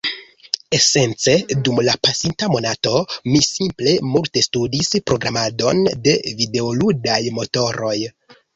esence dum la pasinta monato mi simple multe studis programadon de videoludaj motoroj.